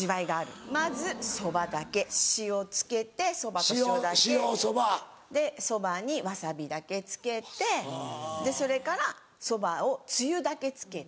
まずそばだけ塩つけてそばと塩だけでそばにワサビだけつけてでそれからそばをつゆだけつけて。